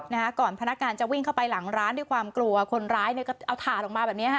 นะฮะก่อนพนักงานจะวิ่งเข้าไปหลังร้านด้วยความกลัวคนร้ายเนี่ยก็เอาถ่านออกมาแบบเนี้ยฮะ